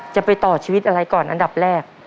จะไปต่อชีวิตอะไรก่อนอันดับแรก